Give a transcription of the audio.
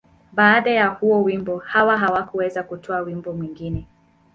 Baada ya huo wimbo, Hawa hakuweza kutoa wimbo mwingine.